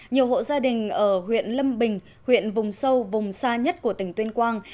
nhiều hộ gia đình ở huyện lâm bình huyện vùng sâu vùng xa nhất của tỉnh tuyên quang